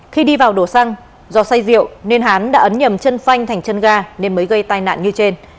khi đi vào đổ xăng do say rượu nên hán đã ấn nhầm chân thành chân ga nên mới gây tai nạn như trên